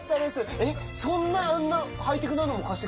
えっそんなあんなハイテクなのも貸してくれたの？